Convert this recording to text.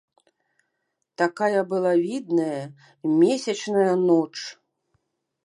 Такая была відная, месячная ноч.